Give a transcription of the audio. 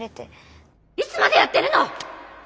いつまでやってるの！